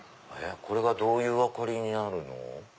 これがどういう明かりになるの？